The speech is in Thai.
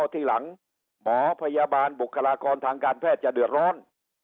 ทีหลังหมอพยาบาลบุคลากรทางการแพทย์จะเดือดร้อน